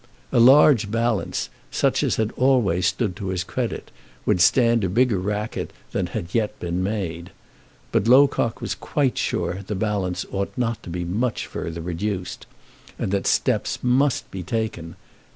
A large balance, such as had always stood to his credit, would stand a bigger racket than had yet been made. But Locock was quite sure that the balance ought not to be much further reduced, and that steps must be taken.